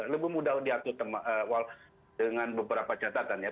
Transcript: lebih mudah diatur dengan beberapa catatannya